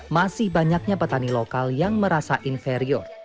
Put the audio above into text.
masih banyaknya petani lokal yang merasa inferior